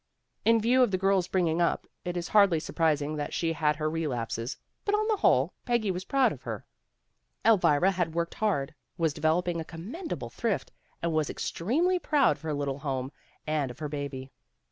In view of the 80 PEGGY RAYMOND'S WAY girl's bringing up, it is hardly surprising that she had her relapses ; but on the whole, Peggy was proud of her. Elvira worked hard, was developing a commendable thrift, and was ex tremely proud of her little home and of her baby.